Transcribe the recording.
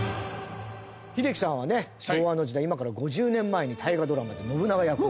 英樹さんはね昭和の時代今から５０年前に大河ドラマで信長役を。